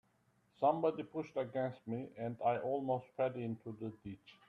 Somebody pushed against me, and I almost fell into the ditch.